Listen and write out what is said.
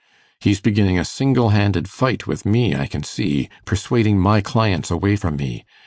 He's beginning a single handed fight with me, I can see persuading my clients away from me.